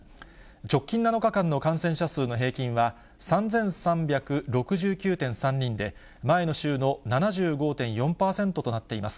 直近７日間の感染者数の平均は、３３６９．３人で、前の週の７５．４％となっています。